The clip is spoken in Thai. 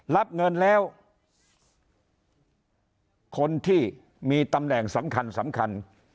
รับเงินแล้วคนที่มีตำแหน่งสำคัญสำคัญ